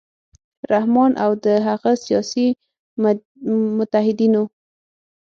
رحمان او د هغه سیاسي متحدینو